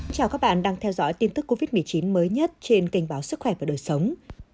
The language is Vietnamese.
chào các bạn đang theo dõi tin tức covid một mươi chín mới nhất trên kênh báo sức khỏe và đời sống